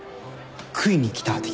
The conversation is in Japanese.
食いに来た的な？